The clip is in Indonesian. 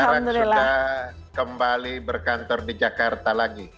sekarang sudah kembali berkantor di jakarta lagi